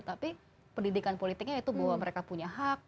tapi pendidikan politiknya itu bahwa mereka punya hak